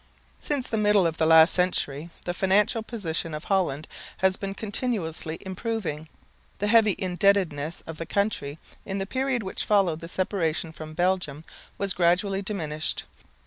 Since the middle of the last century the financial position of Holland has been continuously improving. The heavy indebtedness of the country, in the period which followed the separation from Belgium, was gradually diminished.